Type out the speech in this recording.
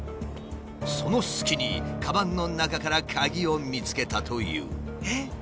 その隙にかばんの中から鍵を見つけたという。